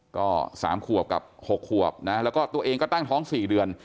ก็๓ขวบกับ๖ขวบนะแล้วก็ตัวเองก็ตั้งท้อง๔เดือน